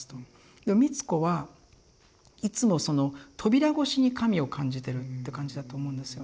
美津子はいつも扉越しに神を感じてるって感じだと思うんですよね。